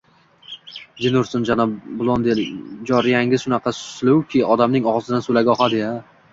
Jin ursin, janob Blondil, joriyangiz shunaqa suluvki, odamning og`zidan sulagi oqadi-ya